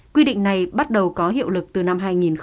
quy định này bắt đầu có hiệu lực từ năm hai nghìn một mươi